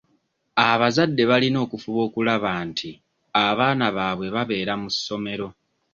Abazadde balina okufuba okulaba nti abaana babwe babeera mu ssomero.